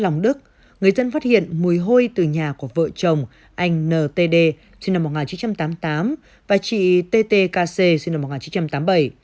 trong người dân phát hiện mùi hôi từ nhà của vợ chồng anh ntd sinh năm một nghìn chín trăm tám mươi tám và chị tt kc sinh năm một nghìn chín trăm tám mươi bảy